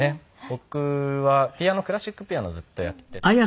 僕はピアノクラシックピアノをずっとやっていたので。